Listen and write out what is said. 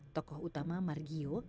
tokoh utama margio